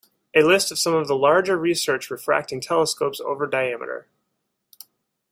A list of some of the larger research refracting telescopes over diameter.